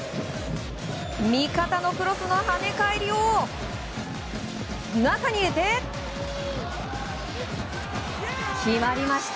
味方のクロスの跳ね返りを中に入れて決まりました！